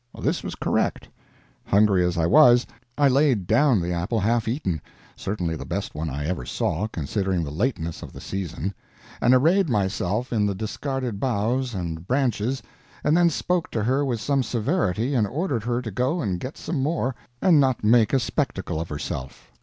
This was correct. Hungry as I was, I laid down the apple half eaten certainly the best one I ever saw, considering the lateness of the season and arrayed myself in the discarded boughs and branches, and then spoke to her with some severity and ordered her to go and get some more and not make a spectacle of herself.